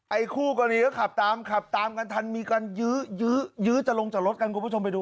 ไอ้คู่กรณีก็ขับตามถันมีกันยื้อจะลงจากรถกันคุณผู้ชมไปดู